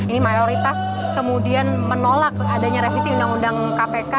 ini mayoritas kemudian menolak adanya revisi undang undang kpk